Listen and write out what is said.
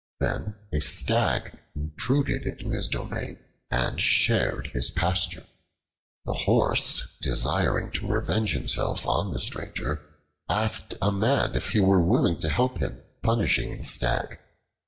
Then a Stag intruded into his domain and shared his pasture. The Horse, desiring to revenge himself on the stranger, asked a man if he were willing to help him in punishing the Stag.